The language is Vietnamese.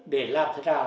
để làm thế nào